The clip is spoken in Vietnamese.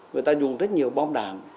người ta dùng rất nhiều bom đạn